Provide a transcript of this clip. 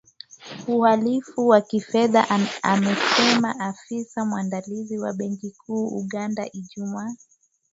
uhalifu wa kifedha amesema afisa mwandamizi wa benki kuu ya Uganda Ijumaa